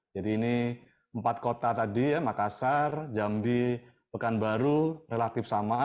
jadi ini empat kota tadi ya makassar jambi pekanbaru relatif sama